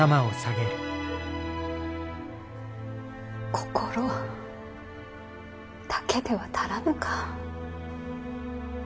心だけでは足らぬか。